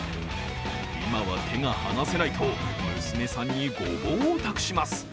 今は手が離せないと娘さんにごぼうを託します。